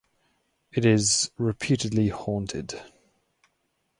It is reputedly haunted.